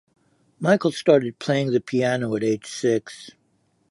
Michael started playing the piano at age six.